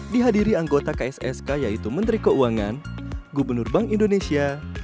dihadiri anggota kssk yaitu menteri keuangan gubernur bank indonesia